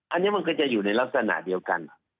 อันนี้มันก็จะอยู่ในลักษณะเดียวกัน